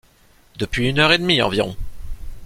Depuis une heure et demie environ!